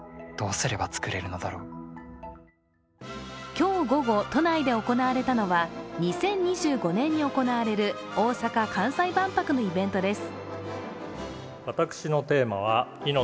今日午後、都内で行われたのは２０２５年に行われる大阪・関西万博のイベントです。